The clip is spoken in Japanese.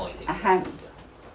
はい。